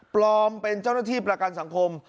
ปลอมเป็นเจ้าหน้าที่ประกันสังคม